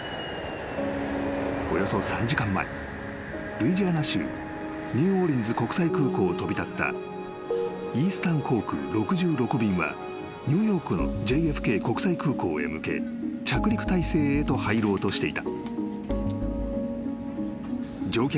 ルイジアナ州ニューオーリンズ国際空港を飛び立ったイースタン航空６６便はニューヨークのＪＦＫ国際空港へ向け着陸態勢へと入ろうとしていた］